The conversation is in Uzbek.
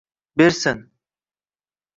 bersin